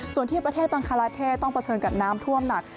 ส่วนที่ประเทศบังคาลาเท่ต้องเผชิญกับน้ำท่วมหนัก